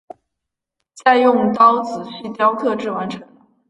再用刀仔细雕刻至完成。